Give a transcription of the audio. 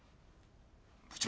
部長！